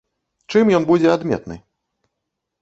Чым ён будзе адметны?